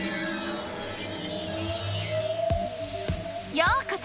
ようこそ！